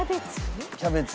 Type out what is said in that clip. キャベツ？